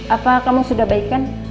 apa kamu sudah baikan